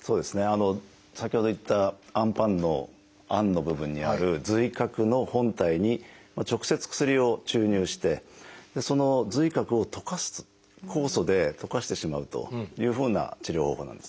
そうですね先ほど言ったあんパンのあんの部分にある髄核の本体に直接薬を注入してその髄核を溶かす酵素で溶かしてしまうというふうな治療方法なんですね。